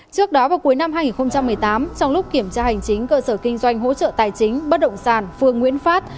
trước đó vào cuối năm hai nghìn một mươi tám trong lúc kiểm tra hành chính cơ sở kinh doanh hỗ trợ tài chính bất động sản phương nguyễn phát